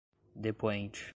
depoente